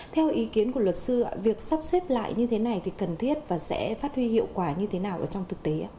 theo ý kiến của luật sư việc sắp xếp lại như thế này thì cần thiết và sẽ phát huy hiệu quả như thế nào trong thực tế